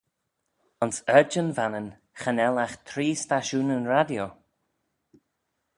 Ayns ardjyn Vannin cha nel agh tree stashoonyn radio.